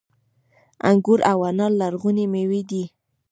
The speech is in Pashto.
انګور او انار لرغونې میوې دي